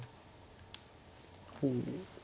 ほう。